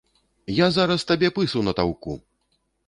Я зараз табе пысу натаўку!